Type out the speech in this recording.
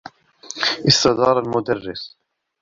استدار المدرّس.